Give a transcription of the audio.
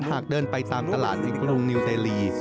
หากเดินไปตามตลาดในกรุงนิวเตลี